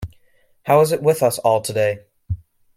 How is it with us all today?